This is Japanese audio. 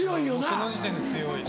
その時点で強い。